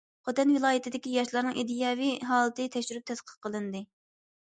خوتەن ۋىلايىتىدىكى ياشلارنىڭ ئىدىيەۋى ھالىتى تەكشۈرۈپ تەتقىق قىلىندى.